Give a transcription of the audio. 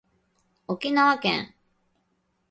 沖縄県